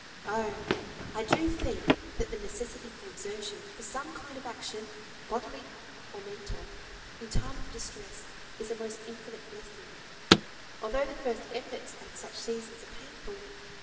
Oh! I do think that the necessity for exertion, for some kind of action (bodily or mental) in time of distress, is a most infinite blessing, although the first efforts at such seasons are painful.